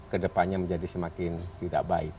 kedepannya menjadi semakin tidak baik